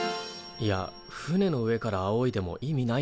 いや船の上からあおいでも意味ないだろ。